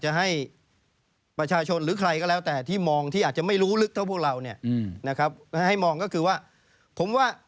ให้มองก็คือว่า